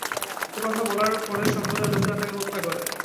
এ কথা বলার পরে সম্প্রদায়ের লোকেরা তাকে হত্যা করে।